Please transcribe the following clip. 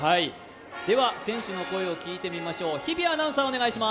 では選手の声を聞いてみましょう。